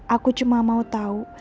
aku cuma mau tau